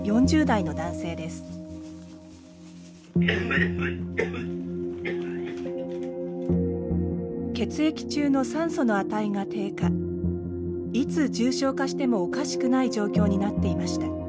いつ重症化してもおかしくない状況になっていました。